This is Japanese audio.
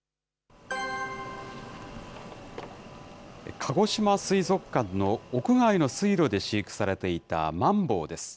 かごしま水族館の屋外の水路で飼育されていたマンボウです。